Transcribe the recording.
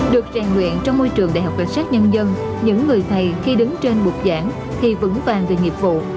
được tràn luyện trong môi trường đhcn những người thầy khi đứng trên buộc giảng thì vững vàng về nghiệp vụ